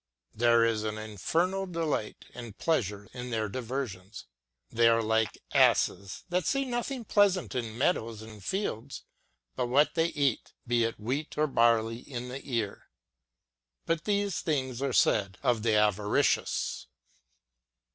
There is an infernal delight and pleasure in their diversions. They are like asses, that see nothing pleasant in meadows and fields but what they eat, be it wheat or barley in the ear. But these things are said of the avaricious.